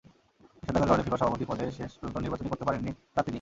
নিষেধাজ্ঞার কারণে ফিফা সভাপতি পদে শেষ পর্যন্ত নির্বাচনই করতে পারেননি প্লাতিনি।